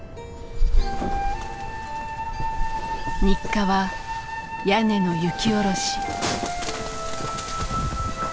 日課は屋根の雪下ろし。